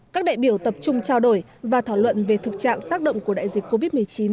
các đại biểu tập trung trao đổi và thảo luận về thực trạng tác động của đại dịch covid một mươi chín